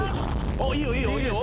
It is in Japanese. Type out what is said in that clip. あっいいよいいよいいよ。